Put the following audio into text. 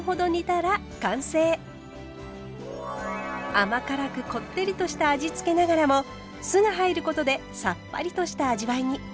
甘辛くこってりとした味付けながらも酢が入ることでさっぱりとした味わいに。